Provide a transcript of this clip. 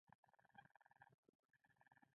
د نازیانو ولسوالۍ لیرې ده